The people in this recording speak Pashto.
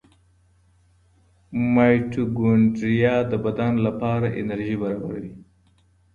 مایټوکونډریا د بدن لپاره انرژي برابروي.